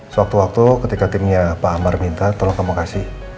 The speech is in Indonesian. sewaktu waktu ketika timnya pak amar minta tolong ke bekasi